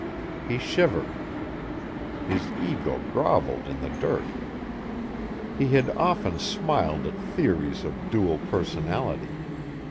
He shivered. His ego grovelled in the dirt. He had often smiled at theories of dual personality.